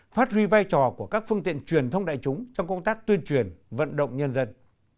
phát huy vai trò của các phương tiện truyền thông đại chúng trong công tác tuyên truyền vận động nhân dân